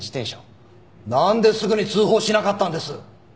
なんですぐに通報しなかったんです？